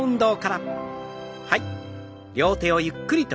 はい。